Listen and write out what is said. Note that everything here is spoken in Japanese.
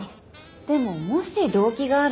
でももし動機があれば。